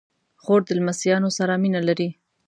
خور د لمسيانو سره مینه لري.